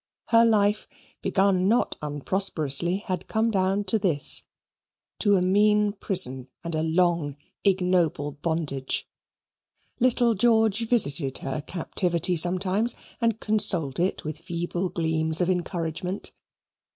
Her life, begun not unprosperously, had come down to this to a mean prison and a long, ignoble bondage. Little George visited her captivity sometimes and consoled it with feeble gleams of encouragement.